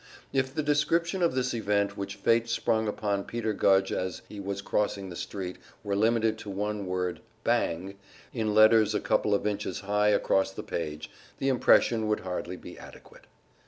If the description of this event which fate sprung upon Peter Gudge as he was crossing the street were limited to the one word "BANG" in letters a couple of inches high across the page, the impression would hardly be adequate.